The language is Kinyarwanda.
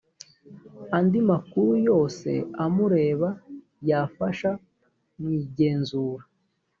andi makuru yose amureba yafasha mu igenzura